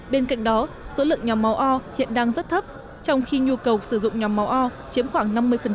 bên cạnh đó số lượng nhóm máu o hiện đang rất thấp trong khi nhu cầu sử dụng nhóm máu o chiếm khoảng năm mươi